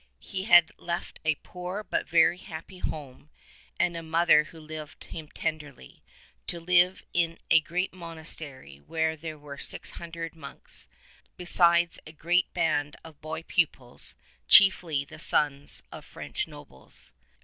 He had left a poor but a very happy home, and a mother who loved him tenderly, to live in a great monastery where there were six hundred monks, besides a great band of boy pupils, chiefly the sons of French nobles.